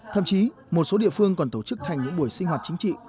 thậm chí một số địa phương còn tổ chức thành những buổi sinh hoạt chính trị